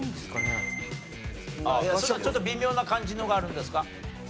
ちょっと微妙な感じのがあるんですか？